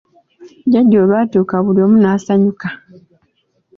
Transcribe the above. Jjjaja olwatuuka buli omu n'asanyuka.